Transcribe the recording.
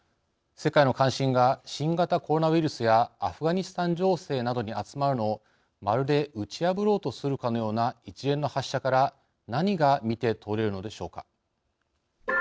世界の関心が新型コロナウイルスやアフガニスタン情勢などに集まるのをまるで打ち破ろうとするかのような一連の発射から何が見て取れるのでしょうか。